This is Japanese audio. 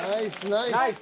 ナイス。